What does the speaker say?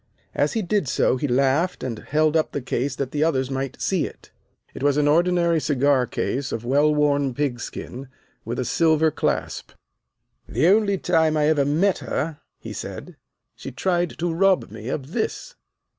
As he did so he laughed and held up the case that the others might see it. It was an ordinary cigar case of well worn pig skin, with a silver clasp. "The only time I ever met her," he said, "she tried to rob me of this."